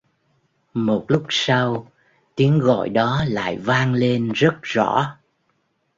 Một lúc sau tiếng gọi đó lại vang lên rất rõ